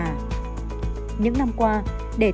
những năm qua để tiếp tục nâng cao chất lượng chè